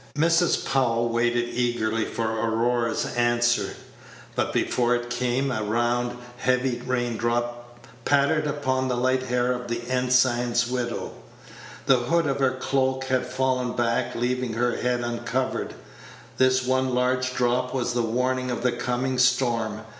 Mrs. Powell waited eagerly for Aurora's answer; but before it came a round, heavy rain drop pattered upon the light hair of the ensign's widow. The hood of her cloak had fallen back, leaving her head uncovered. This one large drop was the warning of the coming storm.